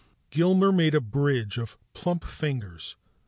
Gilmer made a bridge of plump fingers.